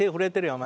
お前。